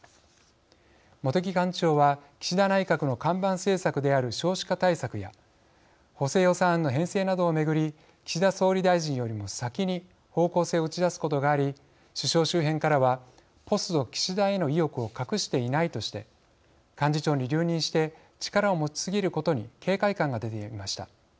茂木幹事長は岸田内閣の看板政策である少子化対策や補正予算案の編成などを巡り岸田総理大臣よりも先に方向性を打ち出すことがあり首相周辺からはポスト岸田への意欲を隠していないとして幹事長に留任して力を持ち過ぎることに警戒感が出ていました。